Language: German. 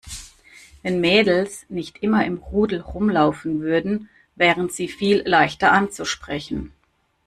Wenn Mädels nicht immer im Rudel rumlaufen würden, wären sie viel leichter anzusprechen.